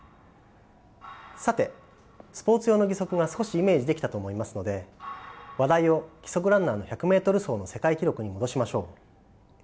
さてスポーツ用の義足が少しイメージできたと思いますので話題を義足ランナーの１００ｍ走の世界記録に戻しましょう。